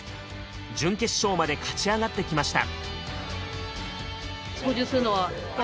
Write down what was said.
準決勝まで勝ち上がってきました。